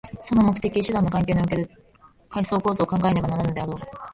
その目的・手段の関係における階層構造を考えねばならぬであろう。